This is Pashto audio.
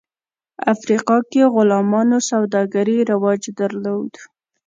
افریقا کې غلامانو سوداګري رواج درلود.